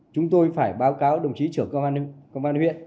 chúng tôi phải báo cáo đồng chí trưởng công an huyện